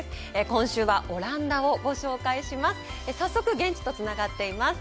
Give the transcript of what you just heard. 今週はオランダをご紹介します。